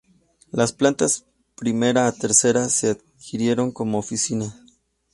Las plantas primera a tercera se alquilaron como oficinas.